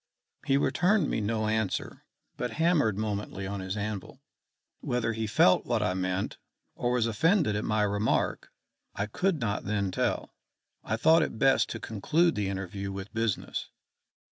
He returned me no answer, but hammered momently on his anvil. Whether he felt what I meant, or was offended at my remark, I could not then tell. I thought it best to conclude the interview with business.